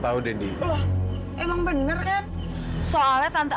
ada di ruang makan bu